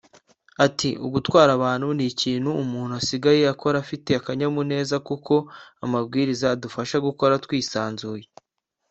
Ati “Ugutwara abantu ni ikintu umuntu asigaye akora afite akanyamuneza kuko amabwiriza adufasha gukora twisanzuye